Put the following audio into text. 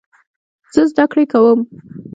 زه زده کړې کوم.